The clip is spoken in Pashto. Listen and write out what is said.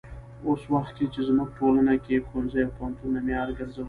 اوس وخت کې چې زموږ په ټولنه کې ښوونځي او پوهنتونونه معیار ګرځولي.